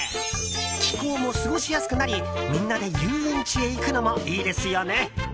気候も過ごしやすくなりみんなで遊園地へ行くのもいいですよね。